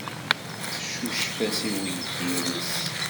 Teccucef-as i uydi-nnes.